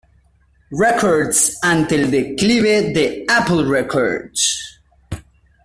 Records, ante el declive de Apple Records.